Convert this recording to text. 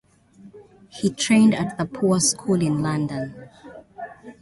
He trained at The Poor School in London.